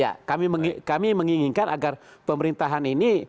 ya kami menginginkan agar pemerintahan ini